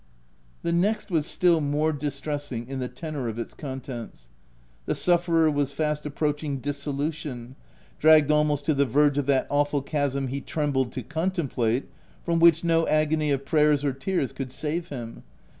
The next was still more distressing in the tenor of its contents. The sufferer was fast approaching dissolution — dragged almost to the verge of that awful chasm he trembled to con template, from which no agony of prayers or tears could save him.